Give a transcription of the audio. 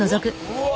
うわ！